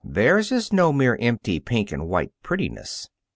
Theirs is no mere empty pink and white prettiness.